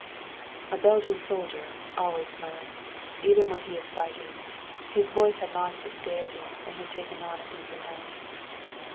"A Belgian soldier always smiles. Even when he is fighting." His voice had lost its gayety and had taken on a deeper note.